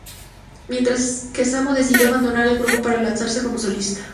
Mientras que Samo decidió abandonar el grupo para lanzarse como solista.